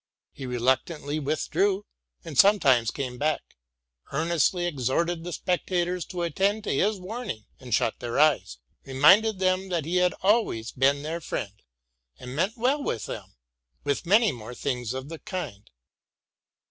He reluctantly withdrew, and sometimes came back, earnestly exhorted the spectators to attend to his warning and shut their eyes, reminded them that he had always been their friend, and meant well with them, with many more things of the kind.